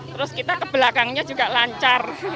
terus kita kebelakangnya juga lancar